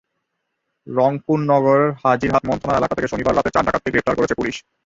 রংপুর নগরের হাজিরহাট মন্থনা এলাকা থেকে শনিবার রাতে চার ডাকাতকে গ্রেপ্তার করেছে পুলিশ।